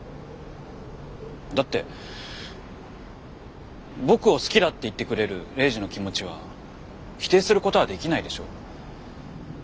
だって僕を好きだって言ってくれるレイジの気持ちは否定することはできないでしょ。